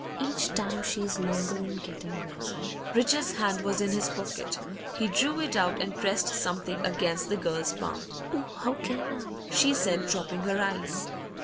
Each time she's longer in getting well.' Richard's hand was in his pocket; he drew it out and pressed something against the girl's palm. 'Oh, how can I?' she said, dropping her eyes.